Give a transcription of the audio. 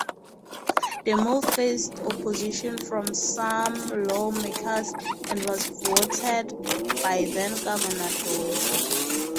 The move faced opposition from some lawmakers, and was vetoed by then Governor Doyle.